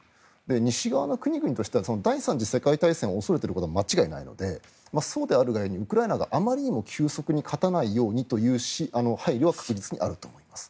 西側の国々としては第３次世界大戦を恐れていることは間違いないのでそうであるが故にウクライナがあまりにも急速に勝たないようにという配慮は確実にあると思います。